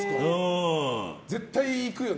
絶対行くよね。